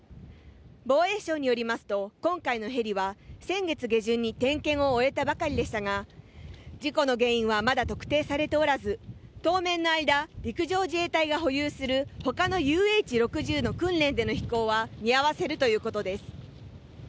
防衛省によりますと、今回のヘリは先月下旬に点検を終えたばかりでしたが、事故の原因はまだ特定されておらず、当面の間、陸上自衛隊が保有する他のＵＨ−６０の訓練での飛行は見合わせるということです。